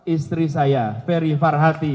istri saya ferry farhati